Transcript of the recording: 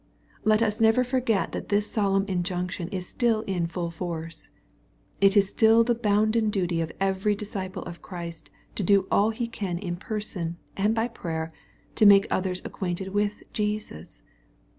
Let us never forget that this solemn injunction is still ill full force. It is still the bounden duty of every disciple of Christ to do all he can in person, and by prayer, to make others acquainted with Jesus.